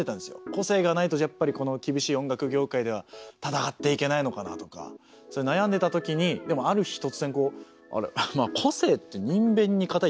個性がないとやっぱりこの厳しい音楽業界では闘っていけないのかなとかそういう悩んでたときにでもある日突然こう「個性」って「人偏」に「固い」って書いて。